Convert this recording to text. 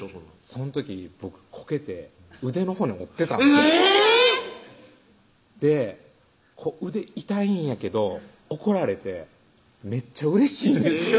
その時僕こけて腕の骨折ってたんですえぇ！で腕痛いんやけど怒られてめっちゃうれしいんですよ